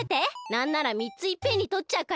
なんなら３ついっぺんにとっちゃうから！